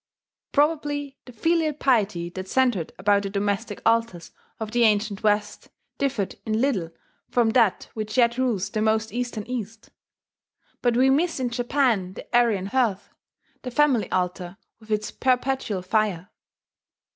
Probably the filial piety that centred about the domestic altars of the ancient West differed in little from that which yet rules the most eastern East. But we miss in Japan the Aryan hearth, the family altar with its perpetual fire.